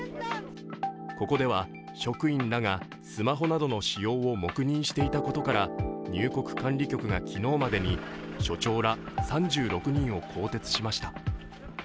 ここでは職員らがスマホなどの使用を黙認していたことから入国管理局が昨日までに所長ら３６人を更迭しました。